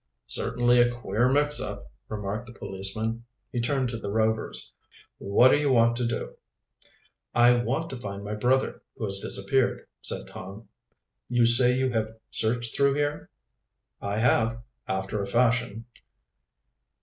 "Certainly a queer mix up," remarked the policeman. He turned to the Rovers. "What do you want to do?" "I want to find my brother, who has disappeared," said Tom. "You say you have searched through here?" "I have after a fashion."